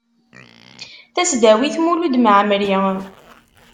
Tasdawit Mulud Mɛemmri.